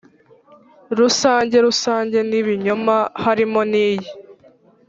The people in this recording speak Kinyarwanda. rusange rusange ni ibinyoma, harimo n'iyi.